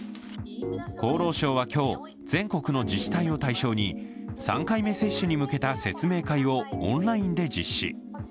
厚労省は今日、全国の自治体を対象に３回目接種に向けた説明会をオンラインで実施。